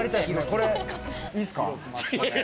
これ、いいですか？